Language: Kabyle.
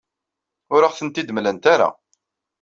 Ur aɣ-tent-id-mlant ara.